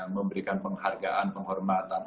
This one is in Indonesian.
memberikan penghargaan penghormatan